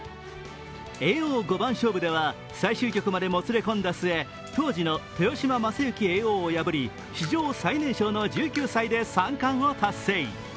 叡王五番勝負では最終局までもつれ込んだ末、当時の豊島将之叡王を破り、史上最年少の１９歳で三冠を達成。